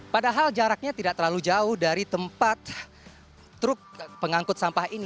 padahal jaraknya tidak terlalu jauh dari tempat truk pengangkut sampah ini